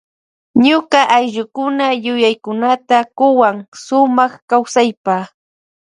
Ñuka ayllukuna yuyakunata kuwan sumak kawsaypa.